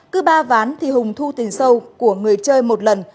cứ ba ván thì hùng thu tiền sâu của người chơi một lần